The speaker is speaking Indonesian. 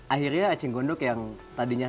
akhirnya ecing gondok yang tadinya